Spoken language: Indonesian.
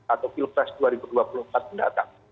atau pilpres dua ribu dua puluh empat mendatang